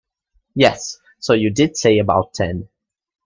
Yes, so you did say about ten.